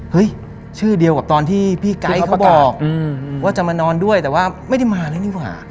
ชื่อเดียวกับตอนที่พี่ไก๊เขาบอกว่าจะมานอนด้วยแต่ว่าไม่ได้มาแล้วนี่หว่า